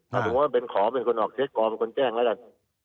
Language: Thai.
หรือว่าเป็นขอเป็นคนออกเช็คขอเป็นคนแจ้งแล้ว